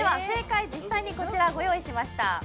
正解、実際にこちらご用意しました。